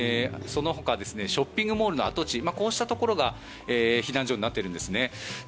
そのほかショッピングモールの跡地こうしたところが避難所になっているんですね。